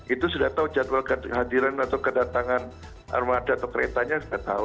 itu sudah tahu jadwal kehadiran atau kedatangan armada atau keretanya sudah tahu